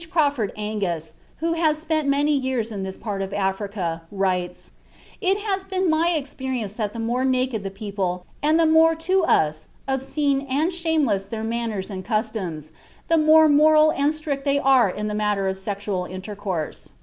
Crawford Angus, who has spent many years in this part of Africa, writes: "It has been my experience that the more naked the people, and the more to us obscene and shameless their manners and customs, the more moral and strict they are in the matter of sexual intercourse."